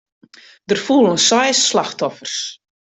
Der foelen seis slachtoffers.